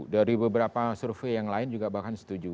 dari beberapa survei yang lain juga bahkan setuju